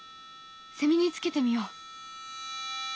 セミにつけてみよう。